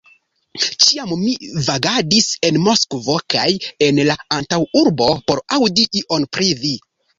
Ĉiam mi vagadis en Moskvo kaj en la antaŭurbo, por aŭdi ion pri vi!